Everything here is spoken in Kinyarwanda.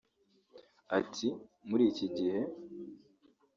Ati”muri iki gihe